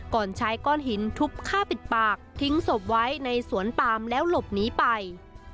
ก่อนใช้ก้อนหินทุบฆ่าปิดปากทิ้งศพไว้ในสวนปามแล้วหลบหนีไป